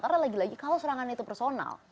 karena lagi lagi kalau serangannya itu personal